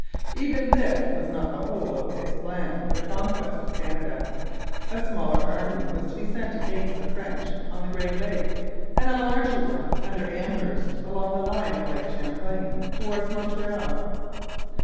Even this was not the whole of Pitt's plan for the conquest of Canada. A smaller army was to be sent against the French on the Great Lakes, and a larger one, under Amherst, along the line of Lake Champlain, towards Montreal.